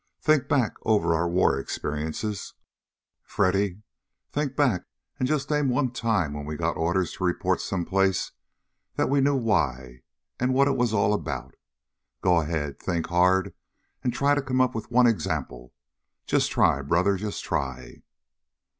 Think back over our war experiences, Freddy. Think back and just name one time when we got orders to report some place that we knew why, and what it was all about. Go ahead. Think hard, and try and come up with one example. Just try, brother; just try!"